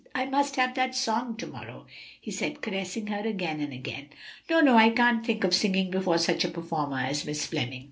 "I must have that song to morrow," he said, caressing her again and again. "No, no! I can't think of singing before such a performer as Miss Fleming."